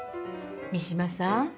三島さん。